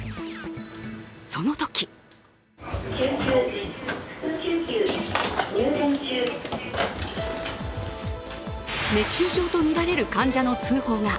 そのとき熱中症とみられる患者の通報が。